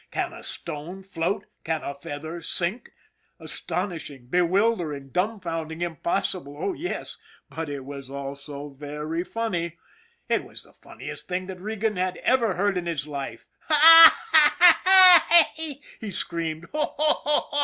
Can a stone float? Can a feather sink? Astonish ing, bewildering, dumfounding, impossible, oh, yes; but it was also very funny. It was the funniest thing that Regan had ever heard in his life. "Haw, haw!" he screamed. "Ho, ho!